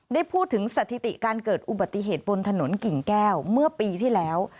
ได้พูดถึงสถิติการเกิดอุบัติเหตุบนถนนกิ่งแก้วเมื่อปีที่แล้ว